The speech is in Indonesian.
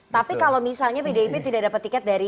tapi kalau misalnya pdip tidak dapat tiket dari